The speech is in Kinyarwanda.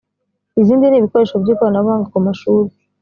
izindi ni ibikoresho by ikoranabuhanga ku mashuri